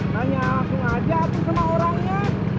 tanya aku aja api semua orangnya